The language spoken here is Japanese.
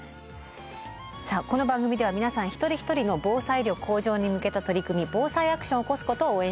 さあこの番組では皆さん一人一人の防災力向上に向けた取り組み防災アクションを起こすことを応援しています。